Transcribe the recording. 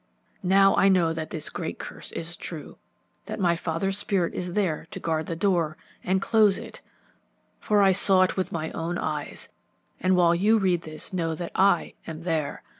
"Now I know that this great curse is true; that my father's spirit is there to guard the door and close it, for I saw it with my own eyes, and while you read this know that I am there.